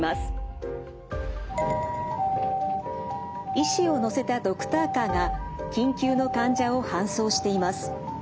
医師を乗せたドクターカーが緊急の患者を搬送しています。